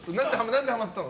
何でハマったの？